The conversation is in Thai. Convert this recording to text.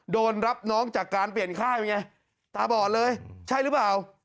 โดนรับน้องจากการเปลี่ยนค่ายไงตาบอดเลยใช่หรือเปล่า